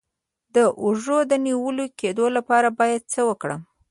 د اوږې د نیول کیدو لپاره باید څه وکړم؟